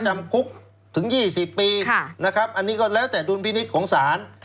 จำคุกถึง๒๐ปีนะครับอันนี้ก็แล้วแต่ดุลพินิษฐ์ของศาล